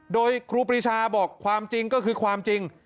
โดยครูปรีชาบอกความจริงก็คือความจริง